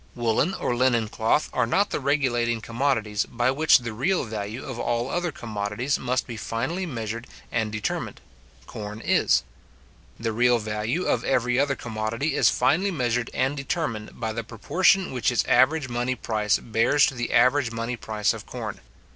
Woollen or linen cloth are not the regulating commodities by which the real value of all other commodities must be finally measured and determined; corn is. The real value of every other commodity is finally measured and determined by the proportion which its average money price bears to the average money price of corn.